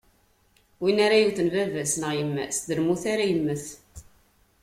Win ara yewten baba-s neɣ yemma-s, d lmut ara yemmet.